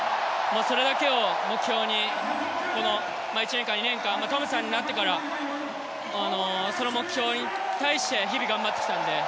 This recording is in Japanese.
それだけを目標にこの１年間、２年間トムさんになってからその目標に対して日々、頑張ってきたので。